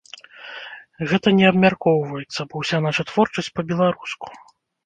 Гэта не абмяркоўваецца, бо ўся наша творчасць па-беларуску.